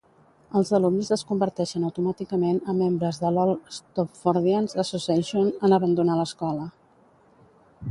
Els alumnes es converteixen automàticament en membres de l'Old Stopfordians Association en abandonar l'escola.